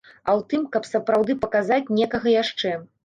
А ў тым, каб сапраўды паказаць некага яшчэ.